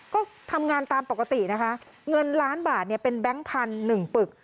ก็ทำงานตามปกตินะคะเงินล้านบาทเนี่ยเป็นแบงค์พันธุ์๑ปึก